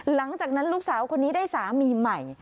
หลังจากนั้นลูกสาวคนนี้ได้สามีใหม่